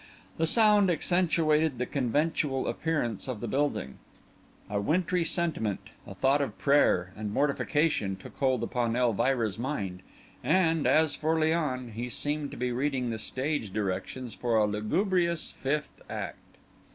The sound accentuated the conventual appearance of the building; a wintry sentiment, a thought of prayer and mortification, took hold upon Elvira's mind; and, as for Léon, he seemed to be reading the stage directions for a lugubrious fifth act.